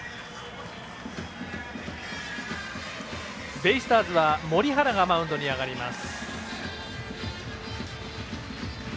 ベイスターズは森原がマウンドに上がります。